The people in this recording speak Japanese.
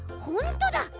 ほんとだ